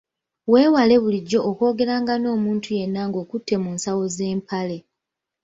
Weewale bulijjo okwogeranga n’omuntu yenna ng’okutte mu nsawo z’empale.